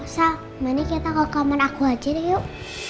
om sal mari kita ke kamar aku aja deh yuk